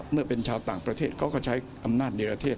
เมื่อเป็นชาวต่างประเทศเขาก็ใช้อำนาจนิรเทศ